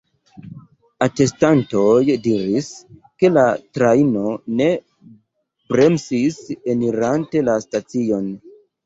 Atestantoj diris, ke la trajno ne bremsis enirante la stacion.